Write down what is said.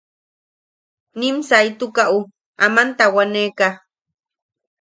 Nim saitukaʼu aman tawaneʼeka.